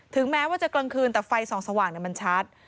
ถึงแม้ว่าจะกลางคืนแต่ไฟสว่างเนี่ยมันชัด